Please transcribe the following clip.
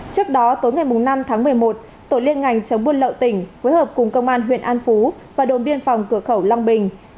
trước đó tối ngày năm tháng một mươi một tổ liên ngành chống buôn lậu tỉnh phối hợp cùng công an huyện an phú và đồn biên phòng cửa khẩu long bình